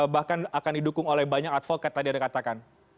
bahkan akan didukung oleh banyak advokat tadi ada katakan